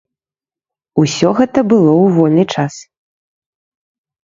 Усё гэта было ў вольны час.